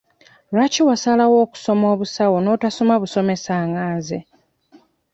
Lwaki wasalawo okusoma obusawo n'otasoma busomesa nga nze?